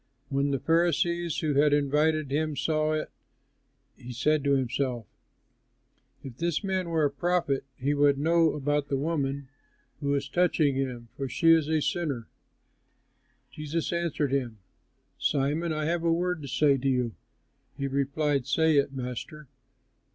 When the Pharisee who had invited him saw it, he said to himself, "If this man were a prophet, he would know about the woman who is touching him, for she is a sinner." Jesus answered him, "Simon, I have a word to say to you." He replied, "Say it, Master."